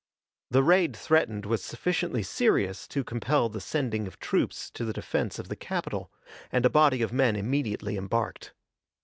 The raid threatened was sufficiently serious to compel the sending of troops to the defense of the capital, and a body of men immediately embarked.